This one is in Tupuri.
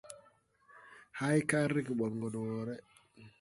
Hay kar rege ɓɔn go de wɔɔre!